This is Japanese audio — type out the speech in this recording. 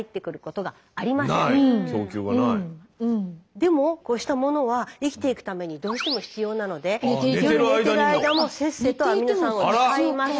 でもこうしたものは生きていくためにどうしても必要なので夜寝ている間もせっせとアミノ酸を使います。